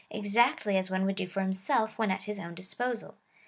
265 one would do for himself when at his own disposal.